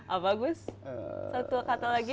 apa gus satu kata lagi